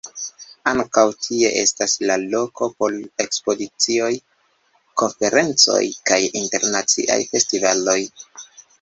Ankaŭ tie estas la loko por ekspozicioj, konferencoj kaj internaciaj festivaloj.